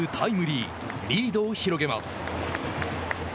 リードを広げます。